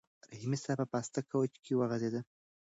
رحیمي صیب په پاسته کوچ کې وغځېد.